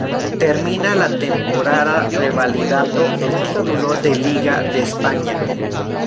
Termina la temporada revalidando el título de Liga de España.